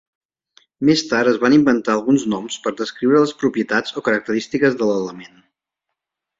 Més tard es van inventar alguns noms per descriure les propietats o característiques de l'element.